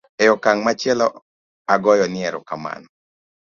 e okang' machielo agoyo ni erokamano